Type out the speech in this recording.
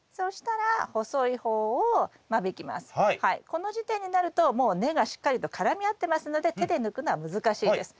この時点になるともう根がしっかりと絡み合ってますので手で抜くのは難しいです。